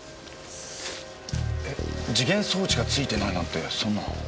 えっ時限装置が付いてないなんてそんな。